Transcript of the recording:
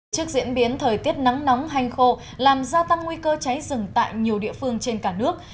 trước diễn biến thời tiết nắng nóng hành khô làm gia tăng nguy cơ cháy rừng tại nhiều địa phương trên cả nước